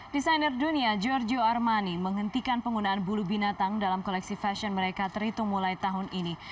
desainer dunia georgio armani menghentikan penggunaan bulu binatang dalam koleksi fashion mereka terhitung mulai tahun ini